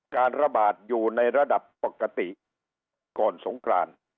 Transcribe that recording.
การระบาดอยู่ในระดับปกติก่อนสงกราน